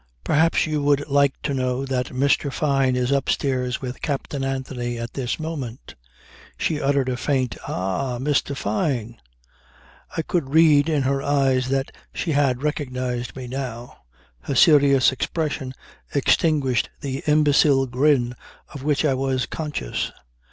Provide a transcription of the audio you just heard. "Perhaps you would like to know that Mr. Fyne is upstairs with Captain Anthony at this moment." She uttered a faint "Ah! Mr. Fyne!" I could read in her eyes that she had recognized me now. Her serious expression extinguished the imbecile grin of which I was conscious.